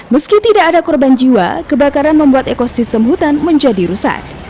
meski tidak ada korban jiwa kebakaran membuat ekosistem hutan menjadi rusak